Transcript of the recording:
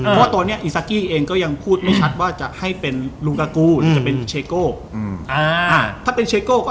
เพราะทัวนี้อิซากี้ก็ได้พูดไม่ชัดว่าจะให้เป็นลูกกาโก้หรือเชโก